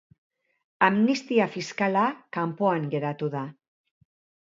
Amnistia fiskala kanpoan geratu da.